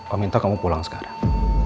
pak minta kamu pulang sekarang